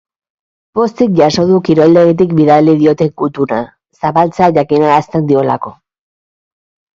Pozik jaso du kiroldegitik bidali dioten gutuna, zabaltzea jakinarazten diolako.